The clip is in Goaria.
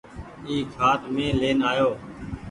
اي کآٽ مين لين آئو۔